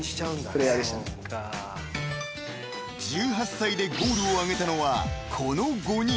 ［１８歳でゴールを挙げたのはこの５人］